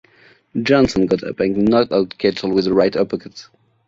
Johnson got up and knocked out Ketchel with a right uppercut.